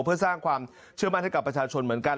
เพื่อสร้างความเชื่อมั่นให้กับประชาชนเหมือนกัน